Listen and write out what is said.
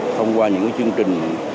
thông qua những chương trình